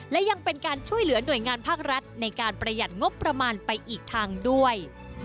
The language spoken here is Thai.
และยังเป็นการช่วยเหลือหน่วยงานภาครัฐในการประหยัดงบประมาณไปอีกทางด้วย